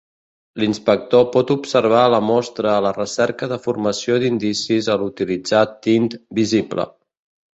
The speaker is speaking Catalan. L'inspector pot observar la mostra a la recerca de formació d'indicis al utilitzar tint visible.